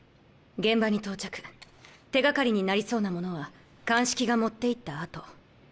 現場に到着手掛かりになりそうなものは鑑識が持って行った後。